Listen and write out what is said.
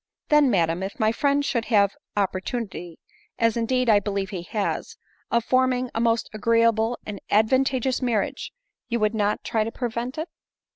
" Then, madam, if my friend should have an oppor tunity, as indeed I believe he has, of forming a most agreeable and advantageous marriage, you would not try to prevent it?"